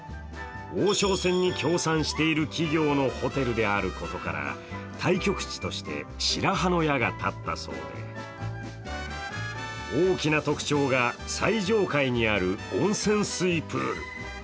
王将戦に協賛している企業のホテルであることから対局地として白羽の矢が立ったそうで大きな特徴が最上階にある温泉水プール。